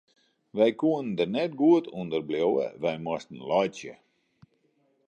Wy koene der net goed ûnder bliuwe, wy moasten laitsje.